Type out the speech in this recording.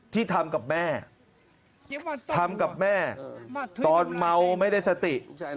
ที่ทำกับแม่ทำกับแม่ตอนเมาไม่ได้สติ